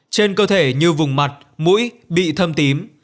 trên cơ thể như vùng mặt mũi bị thâm tím